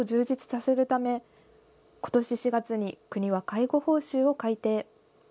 ことし４月に国は介護報酬を改定。